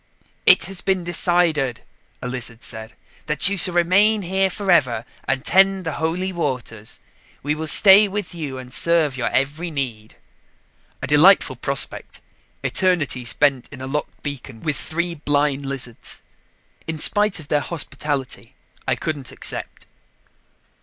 "It has been decided," a lizard said, "that you shall remain here forever and tend the Holy Waters. We will stay with you and serve your every need." A delightful prospect, eternity spent in a locked beacon with three blind lizards. In spite of their hospitality, I couldn't accept.